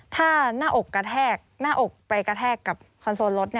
ถ้าหน้าอกกระแทกหน้าอกไปกระแทกกับคอนโซลรถ